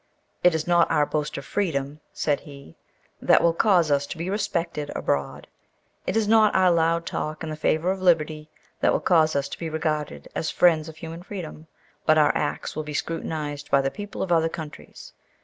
"It is not our boast of freedom," said he, "that will cause us to be respected abroad. It is not our loud talk in favour of liberty that will cause us to be regarded as friends of human freedom; but our acts will be scrutinised by the people of other countries.